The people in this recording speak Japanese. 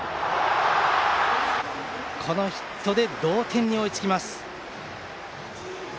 このヒットで同点に追いつきます。